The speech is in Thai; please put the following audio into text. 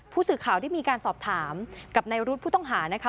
ผู้สื่อข่าวได้มีการสอบถามกับนายรุธผู้ต้องหานะคะ